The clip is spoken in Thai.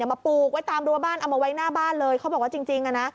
มาปลูกไว้ตามรัวบ้านเอามาไว้หน้าบ้านเลยเขาบอกว่าจริงอ่ะนะ